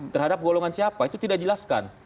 terhadap golongan siapa itu tidak dijelaskan